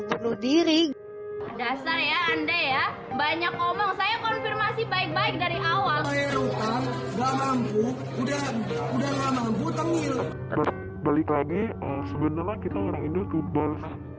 seluruh diri dasar ya anda ya banyak omong saya konfirmasi baik baik dari awal udah udah